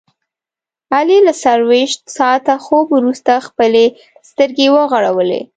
علي له څلوریشت ساعته خوب ورسته خپلې سترګې وغړولې.